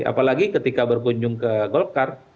apalagi ketika berkunjung ke golkar